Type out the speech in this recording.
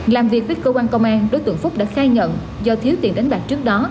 làm việc với cơ quan công an đối tượng phúc đã khai nhận do thiếu tiền đánh bạc trước đó